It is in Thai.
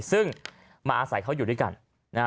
ซึ่งมาอาศัยเขาอยู่ด้วยกันนะฮะ